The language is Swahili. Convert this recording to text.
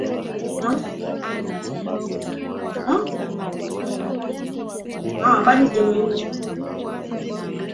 Alihudumu katika wadhifa huo hadi mwaka elfumoja mia tisa hamsini na nne